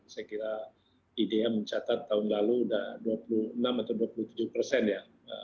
saya kira idea mencatat tahun lalu sudah dua puluh enam atau dua puluh tujuh persen ya